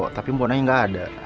tapi mbonanya gak ada